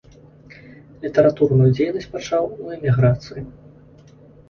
Літаратурную дзейнасць пачаў у эміграцыі.